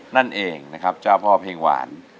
นั่นเองนะครับเจ้าพ่อเพลงหวาน